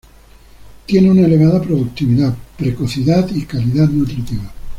Tiene una elevada productividad, precocidad y calidad nutritiva.